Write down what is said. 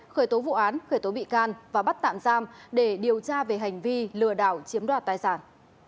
khởi tố vụ án khởi tố bị can và bắt tạm giam để điều tra về hành vi lừa đảo chiếm đoạt tài sản